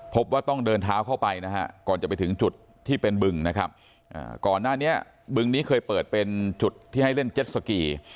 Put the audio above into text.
พบว่าต้องเดินเท้าเข้าไปนะฮะก่อนจะไปถึงจุดที่เป็นบึงนะครับก่อนหน้านี้บึงนี้เคยเปิดเป็นจุดที่ให้เล่นเจ็ดสกี